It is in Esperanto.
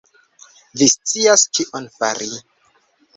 Vi scias kion fari